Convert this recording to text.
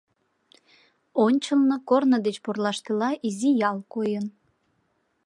Ончылно, корно деч пурлаштыла, изи ял койын.